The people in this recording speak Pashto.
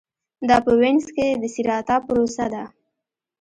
دا په وینز کې د سېراتا پروسه وه